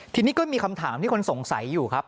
ทีนี้ก็มีคำถามที่คนสงสัยอยู่ครับ